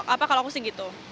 apa kalau aku sih gitu